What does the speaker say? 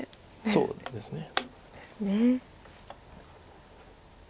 そうですね。